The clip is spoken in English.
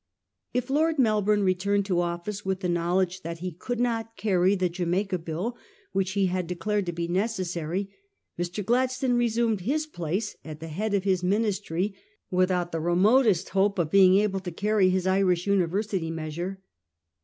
If Lord Melbourne returned to office with the knowledge that he could not carry the Jamaica Bill which he had de clared to be necessary, Mr. Gladstone resumed his place at the head of his Ministry without the re motest hope of being able to carry his Irish Univer sity measure.